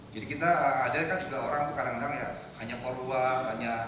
jadi kita ada kan juga orang itu kadang kadang ya hanya korban